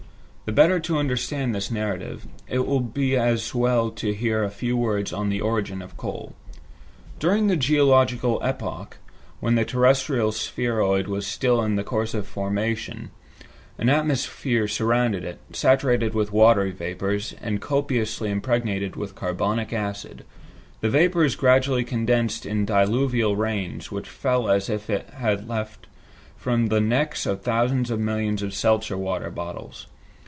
The better to understand this narrative, it will be as well to hear a few words on the origin of coal. During the geological epoch, when the terrestrial spheroid was still in course of formation, a thick atmosphere surrounded it, saturated with watery vapors, and copiously impregnated with carbonic acid. The vapors gradually condensed in diluvial rains, which fell as if they had leapt from the necks of thousands of millions of seltzer water bottles.